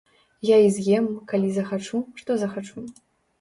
Я і з'ем, калі захачу, што захачу.